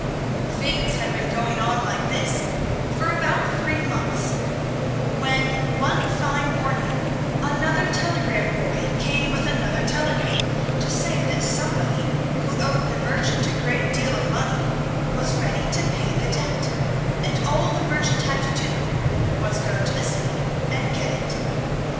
Things had been going on like this for about three months, when one fine morning another telegram boy came with another telegram to say that somebody who owed the merchant a great deal of money was ready to pay the debt, and all the merchant had to do was to go to the city and get it.